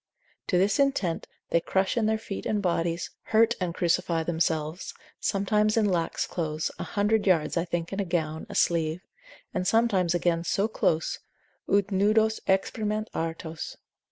To this intent they crush in their feet and bodies, hurt and crucify themselves, sometimes in lax clothes, a hundred yards I think in a gown, a sleeve; and sometimes again so close, ut nudos exprimant artus.